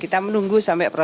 kita berada di jawa timur